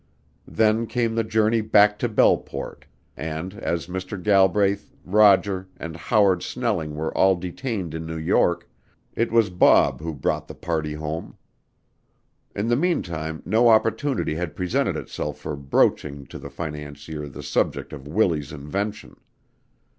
Then came the journey back to Belleport, and as Mr. Galbraith, Roger, and Howard Snelling were all detained in New York, it was Bob who brought the party home. In the meantime no opportunity had presented itself for broaching to the financier the subject of Willie's invention.